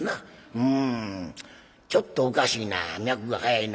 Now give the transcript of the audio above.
「うんちょっとおかしいな脈が速いな。